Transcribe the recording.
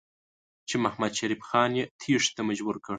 چې محمدشریف خان یې تېښتې ته مجبور کړ.